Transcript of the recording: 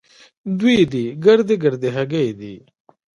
دوې دې ګردۍ ګردۍ هګۍ دي.